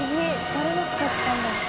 誰が使ってたんだろう？